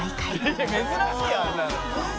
「珍しいよあんなの」